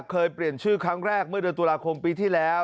เคยเปลี่ยนชื่อครั้งแรกเมื่อเดือนตุลาคมปีที่แล้ว